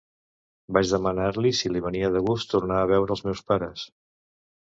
Vaig demanar-li si li venia de gust tornar a veure els meus pares.